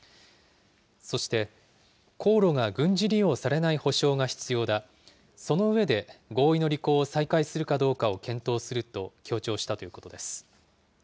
そして、航路が軍事利用されない必要だ、その上で合意の履行を再開するかどうかを検討すると強調したということです。